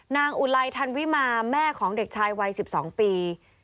อุไลทันวิมาแม่ของเด็กชายวัย๑๒ปี